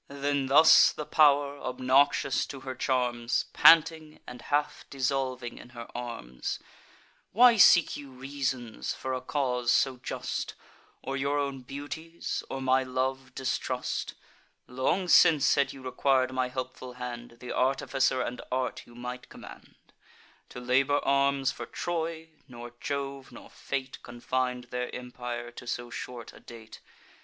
Then thus the pow'r, obnoxious to her charms, Panting, and half dissolving in her arms: "Why seek you reasons for a cause so just, Or your own beauties or my love distrust? Long since, had you requir'd my helpful hand, Th' artificer and art you might command, To labour arms for Troy: nor Jove, nor fate, Confin'd their empire to so short a date.